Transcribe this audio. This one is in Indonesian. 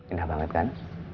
indah banget kan